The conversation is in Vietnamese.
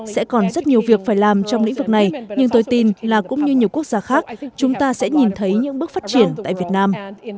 sẽ còn rất nhiều việc phải làm trong lĩnh vực này nhưng tôi tin là cũng như nhiều quốc gia khác chúng ta sẽ nhìn thấy những bước phát triển tại việt nam